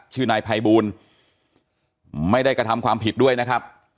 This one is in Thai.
นายภัยบูลไม่ได้กระทำความผิดด้วยนะครับ